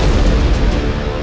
aku akan menangkapmu